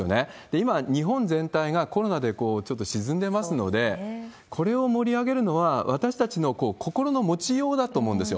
今、日本全体がコロナでちょっと沈んでますので、これを盛り上げるのは、私たちの心の持ちようだと思うんですよ。